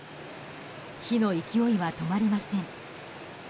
火の勢いは止まりません。